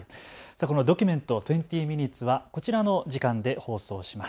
ドキュメント２０ｍｉｎ．はこちらの時間で放送します。